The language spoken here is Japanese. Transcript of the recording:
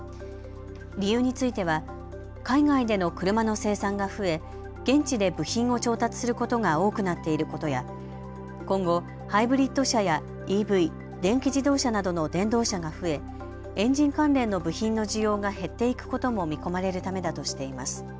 理由については海外での車の生産が増え現地で部品を調達することが多くなっていることや今後、ハイブリッド車やＥＶ・電気自動車などの電動車が増えエンジン関連の部品の需要が減っていくことも見込まれるためだとしています。